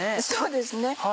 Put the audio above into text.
そうですね